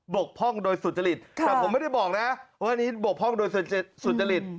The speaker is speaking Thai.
กพร่องโดยสุจริตแต่ผมไม่ได้บอกนะว่าอันนี้บกพร่องโดยสุจริต